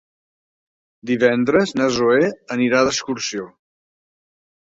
Divendres na Zoè anirà d'excursió.